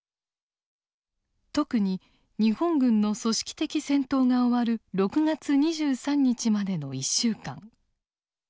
特に日本軍の組織的戦闘が終わる６月２３日までの１週間。